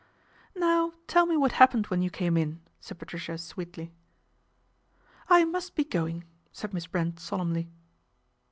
" Now tell me what happened when you came in," said Patricia sweetly. " I must be going," said Miss Brent solemnly.